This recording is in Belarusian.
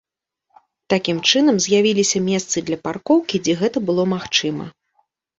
Такім чынам з'явіліся месцы для паркоўкі, дзе гэта было магчыма.